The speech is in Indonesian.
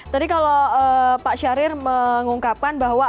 tadi kalau pak syahrir mengungkapkan bahwa